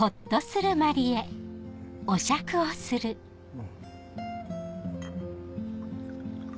うん。